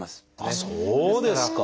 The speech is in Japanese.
あっそうですか！